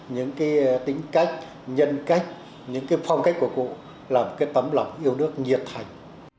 những cái tính cách nhân cách những cái phong cách của cụ là một cái tấm lòng yêu nước nhiệt thành